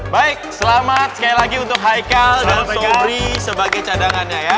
baik selamat sekali lagi untuk haikal dan sobri sebagai cadangannya ya